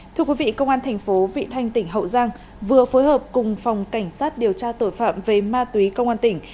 thưa quý vị công an thành phố vị thanh tỉnh hậu giang vừa phối hợp cùng phòng cảnh sát điều tra tội phạm về ma túy công an tỉnh